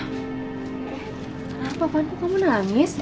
kenapa van kamu nangis